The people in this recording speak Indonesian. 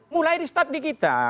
mulai di stadikita